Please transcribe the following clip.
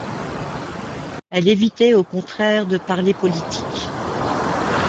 Elle évitait au contraire de parler politique.